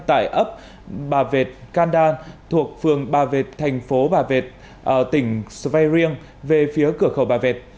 tại ấp bà vệt kanda thuộc phường bà vệt thành phố bà vệt tỉnh svayriang về phía cửa khẩu bà vệt